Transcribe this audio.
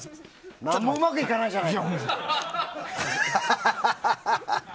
何もうまくいかないじゃない！